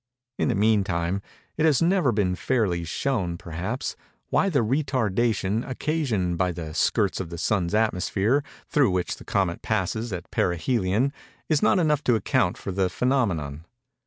In the meantime, it has never been fairly shown, perhaps, why the retardation occasioned by the skirts of the Sun's atmosphere, through which the comet passes at perihelion, is not enough to account for the phænomenon.